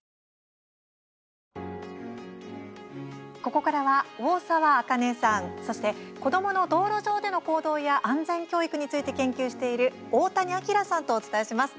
ここからは大沢あかねさんそして子どもの道路上での行動や安全教育について研究している大谷亮さんとお伝えします。